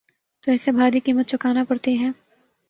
تو اسے بھاری قیمت چکانا پڑتی ہے۔